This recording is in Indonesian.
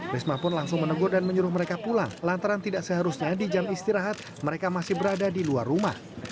risma pun langsung menegur dan menyuruh mereka pulang lantaran tidak seharusnya di jam istirahat mereka masih berada di luar rumah